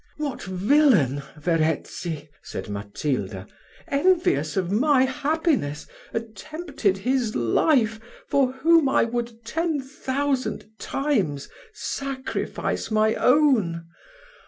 "What villain, Verezzi," said Matilda, "envious of my happiness, attempted his life, for whom I would ten thousand times sacrifice my own?